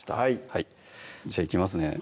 はいじゃあいきますね